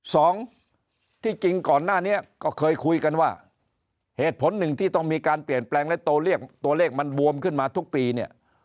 สองที่จริงก่อนหน้านี้ก็เคยคุยกันว่าเหตุผลหนึ่งที่ต้องมีการเปลี่ยนแปลงและตัวเลขมันบวมขึ้นมาทุกปีเนี่ย